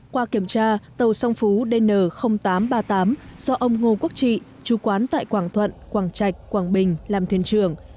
qua kiểm tra tàu song phú dn tám trăm ba mươi tám do ông ngô quốc trị chú quán tại quảng thuận quảng trạch quảng bình làm thuyền trưởng